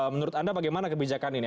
menurut anda bagaimana kebijakan ini